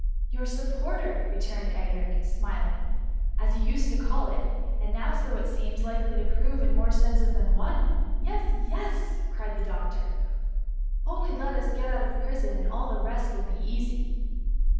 *" Your supporter,^ returned Edric, smiling, ^* as you used to call it ; and as it now seems likely to prove, in more senses than one.*^ Yes, yes V^ cried the doctor, " only let us get out of prison, and all the rest will be easy.